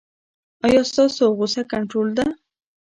ایا ستاسو غوسه کنټرول ده؟